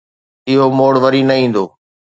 اهو موڙ وري نه ايندو